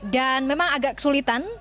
dan memang agak kesulitan